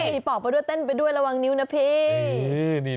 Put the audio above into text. มีปอกไปด้วยเต้นไปด้วยระวังนิ้วนะพี่